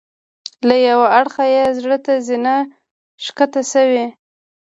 له یوه اړخه یې زړه ته زینه ښکته شوې.